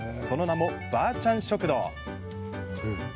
その名も、ばあちゃん食堂。